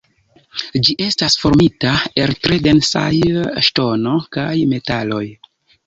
Ĝi estas formita el tre densaj ŝtono kaj metaloj.